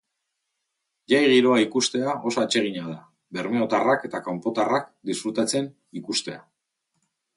Jai giroa ikustea oso atsegina da, bermeotarrak eta kanpotarrak disfrutatzen ikustea.